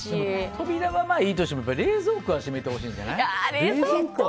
扉はいいとしても、冷蔵庫は閉めてほしいんじゃない？